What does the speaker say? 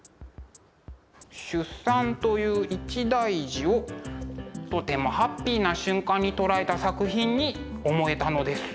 出産という一大事をとてもハッピーな瞬間に捉えた作品に思えたのです。